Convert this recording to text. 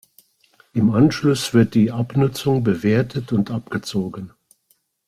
Im Anschluss wird die Abnutzung bewertet und abgezogen.